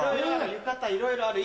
浴衣いろいろある。